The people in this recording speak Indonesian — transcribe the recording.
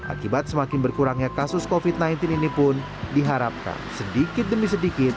akibat semakin berkurangnya kasus covid sembilan belas ini pun diharapkan sedikit demi sedikit